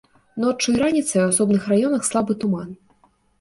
Ноччу і раніцай у асобных раёнах слабы туман.